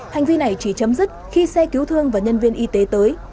hành vi này chỉ chấm dứt khi xe cứu thương và nhân viên y tế tới